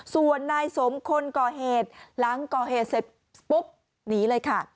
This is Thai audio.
ส่วนนายสมคนก่อเหตุหลังก่อเหตุเสร็จปุ๊บหนีเลยค่ะ